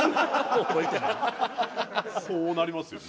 そうなりますよね。